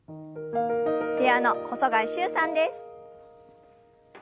ピアノ細貝柊さんです。